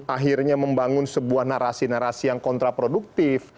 akhirnya membangun sebuah narasi narasi yang kontraproduktif